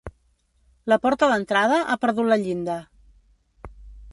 La porta d'entrada ha perdut la llinda.